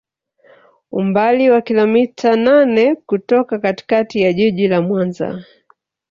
Umbali wa kilometa nane kutoka katikati ya Jiji la Mwanza